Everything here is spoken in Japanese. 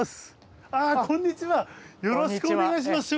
よろしくお願いします。